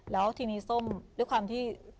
แล้วทีนี้ส้มด้วยความที่